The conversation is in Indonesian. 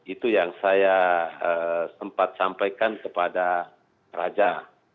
itu yang saya sempat sampaikan kepada raja